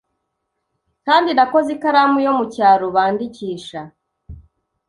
Kandi nakoze ikaramu yo mucyaro bandikisha